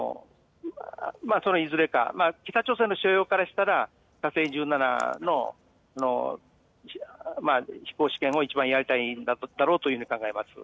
そのいずれか、北朝鮮のからしたら、火星１７の飛行試験を一番やりたいんだろうというふうに考えます。